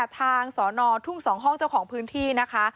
ทางสอนอทุ่ง๒ห้องเจ้าของพื้นที่นะคะ